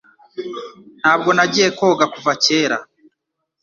Ntabwo nagiye koga kuva kera.